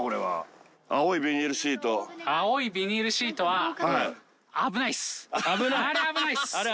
青いビニールシートあれ